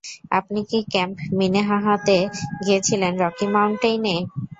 আপনি কি ক্যাম্প মিনেহাহাতে গিয়েছিলেন রকি মাউন্টেইনে?